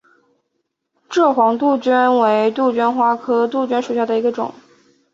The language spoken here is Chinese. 蔗黄杜鹃为杜鹃花科杜鹃属下的一个种。